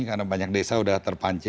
karena banyak desa udah terpenuhi